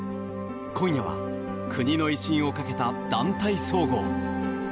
今夜は国の威信をかけた団体総合。